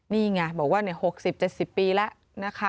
นี่ไงบอกว่าเนี่ยหกสิบเจ็ดสิบปีแล้วนะคะ